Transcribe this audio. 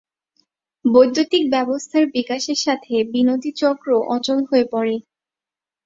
বৈদ্যুতিক ব্যবস্থার বিকাশের সাথে বিনতি চক্র অচল হয়ে পড়ে।